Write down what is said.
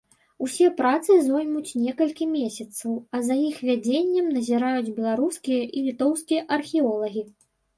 Усе працы зоймуць некалькі месяцаў, а за іх вядзеннем назіраюць беларускія і літоўскія археолагі.